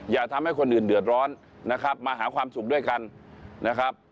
อย่าทำให้คนอื่นเดือดร้อนนะครับมาหาความสุขด้วยกันนะครับ